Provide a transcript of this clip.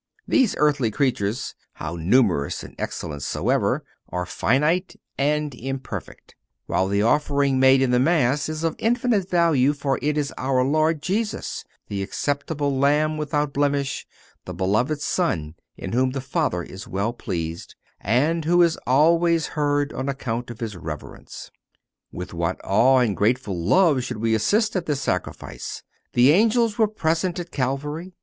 These earthly creatures—how numerous and excellent soever—are finite and imperfect; while the offering made in the Mass is of infinite value, for it is our Lord Jesus, the acceptable Lamb without blemish, the beloved Son in whom the Father is well pleased, and who "is always heard on account of His reverence." With what awe and grateful love should we assist at this Sacrifice! The angels were present at Calvary.